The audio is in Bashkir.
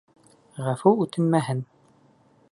Ғәфү үтенмәһен.